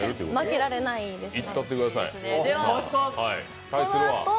負けられないですね。